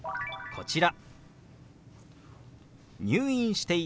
こちら。